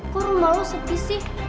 kok rumah lo sedih sih